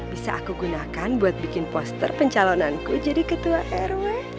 bisa aku gunakan buat bikin poster pencalonanku jadi ketua rw